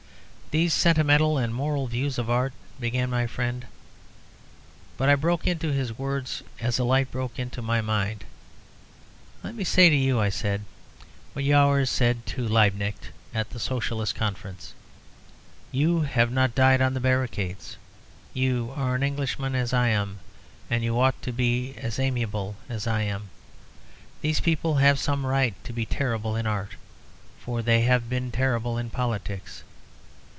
"These sentimental and moral views of art," began my friend, but I broke into his words as a light broke into my mind. "Let me say to you," I said, "what Jaurès said to Liebknecht at the Socialist Conference: 'You have not died on the barricades'. You are an Englishman, as I am, and you ought to be as amiable as I am. These people have some right to be terrible in art, for they have been terrible in politics.